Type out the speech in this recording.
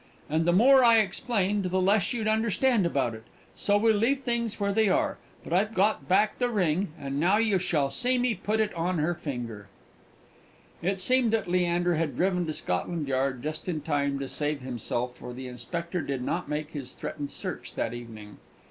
And the more I explained, the less you'd understand about it; so we'll leave things where they are. But I've got back the ring, and now you shall see me put it on her finger." It seemed that Leander had driven to Scotland Yard just in time to save himself, for the Inspector did not make his threatened search that evening.